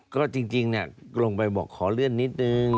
ก็จริงลงไปบอกขอเลื่อนนิดนึง